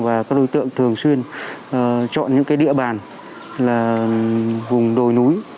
và các đối tượng thường xuyên chọn những địa bàn là vùng đồi núi